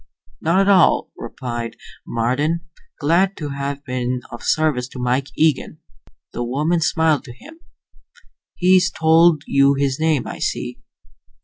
"Not at all," replied Marden. "Glad to have been of service to Mike Eagen." The woman smiled to him. "He's told you his name, I see."